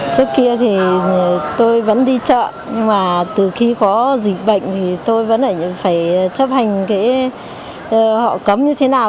trước kia thì tôi vẫn đi chợ nhưng mà từ khi có dịch bệnh thì tôi vẫn phải chấp hành họ cấm như thế nào